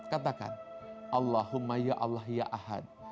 katakan allahumma ya allah ya ahad